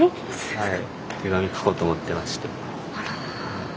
はい。